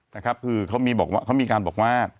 นะครับคือเขามีการบอกว่า